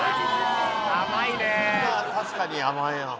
まあ確かに甘いな。